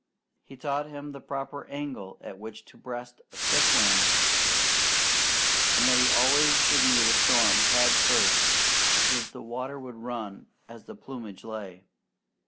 He taught him the proper angle at which to breast a stiff wind, and that he always should meet a storm head first, so that the water would run as the plumage lay.